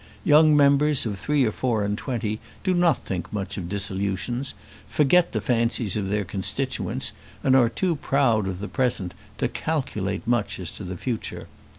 Young members of three or four and twenty do not think much of dissolutions, forget the fancies of their constituents, and are too proud of the present to calculate much as to the future.